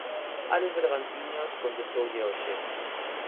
Álex Bergantiños contestoulle hoxe.